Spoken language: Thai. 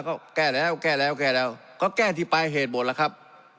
ก็แก้แล้วแก้แล้วแก้แล้วก็แก้ที่ปลายเหตุหมดแล้วครับ